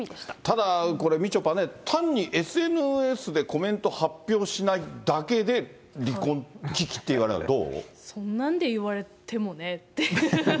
ただこれ、みちょぱね、単にＳＮＳでコメント発表しないだけで離婚危機って言われるのはそんなんでいわれてもねっていう。